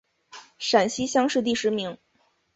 陕西乡试第十名。